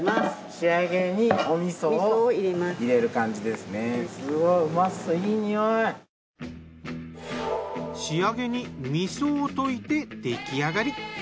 仕上げに味噌を溶いて出来上がり。